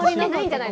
ない？